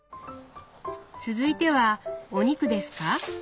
続いてはお肉ですか？